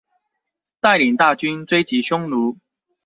帶領大軍追擊匈奴